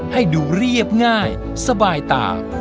ให้ดูเรียบง่ายสบายตา